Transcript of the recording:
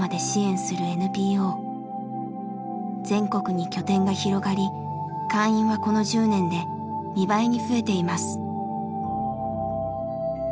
全国に拠点が広がり会員はこの１０年で２倍に増えています。